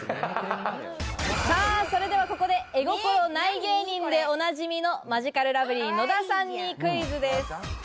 それではここで、絵心ない芸人でおなじみのマヂカルラブリー野田さんにクイズです。